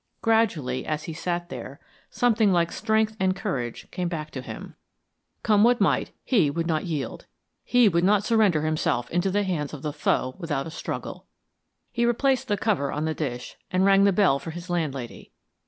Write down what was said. Gradually, as he sat there, something like strength and courage came back to him. Come what might, he would not yield, he would not surrender himself into the hands of the foe without a struggle. He replaced the cover on the dish, and rang the bell for his landlady.